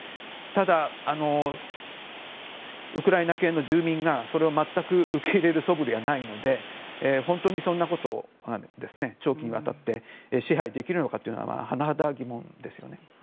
ただ、ウクライナ系の住民が全く受け入れるそぶりはないので本当にそんなこと長期にわたって支配できるのかというのははなはだ疑問ですね。